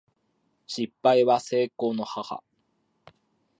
失敗は成功の母